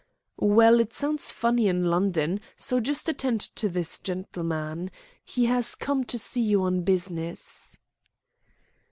"Well, it sounds funny in London, so just attend to this gentleman. He has come to see you on business."